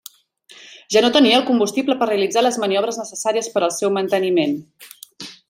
Ja no tenia el combustible per realitzar les maniobres necessàries per al seu manteniment.